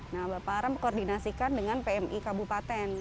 nah bapak ara mengkoordinasikan dengan pmi kabupaten